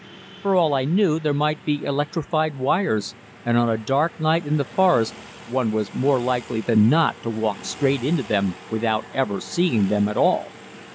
For all I knew there might be electrified wires, and on a dark night in the forest one was more likely than not to walk straight into them without ever seeing them at all.